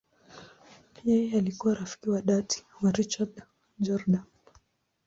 Yeye alikuwa rafiki wa dhati wa Richard Jordan.